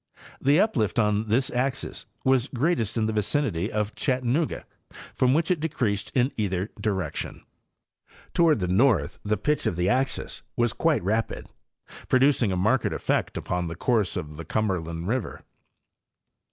The uplift on this axis was greatest in the vicinity of Chattanooga, from which it decreased in either direction. Toward the north the pitch of the axis was quite rapid, producing a marked effect upon the course of the Cumberland river.